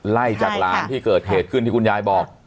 ไล่จากหลานที่เกิดเหตุขึ้นที่คุณยายบอก